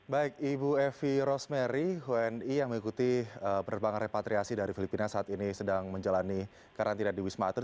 baik ibu evi rosmery uni yang mengikuti perbangan repatriasi dari filipina saat ini sedang menjalani karantina di wismatur